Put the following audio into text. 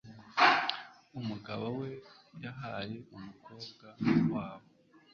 Umugabo we yahaye umukobwa wabo